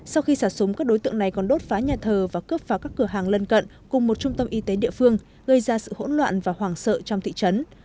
sau khi xả súng các đối tượng này còn đốt phá nhà thờ và cướp vào các cửa hàng lân cận cùng một trung tâm y tế địa phương gây ra sự hỗn loạn và hoàng sợ trong thị trấn